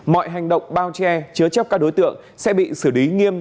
mọi hành động bao che chứa chấp các đối tượng sẽ bị xử lý nghiêm